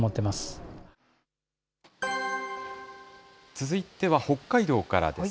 続いては北海道からです。